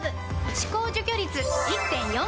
歯垢除去率 １．４ 倍！